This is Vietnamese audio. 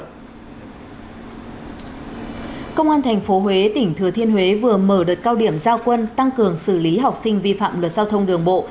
công an tp huế tỉnh thừa thiên huế vừa mở đợt cao điểm giao quân tăng cường xử lý học sinh vi phạm luật giao thông đường bộ